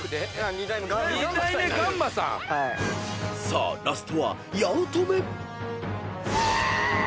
［さあラストは八乙女］